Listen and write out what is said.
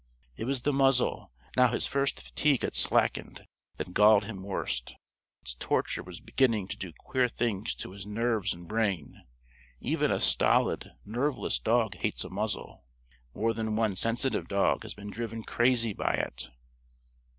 It was the muzzle now his first fatigue had slackened that galled him worst. Its torture was beginning to do queer things to his nerves and brain. Even a stolid, nerveless dog hates a muzzle. More than one sensitive dog has been driven crazy by it.